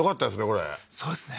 これそうですね